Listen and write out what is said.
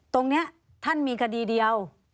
ตรงนี้ท่านมีคดีเดียว